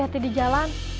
teti teti di jalan